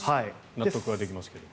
納得はできますけど。